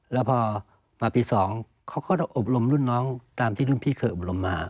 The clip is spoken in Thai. แล้วพอมาปี๒เขาก็อบรมรุ่นน้องตามที่รุ่นพี่เคยอบรมมา